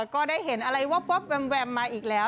ก็ได้เห็นอะไรวับแวมมาอีกแล้ว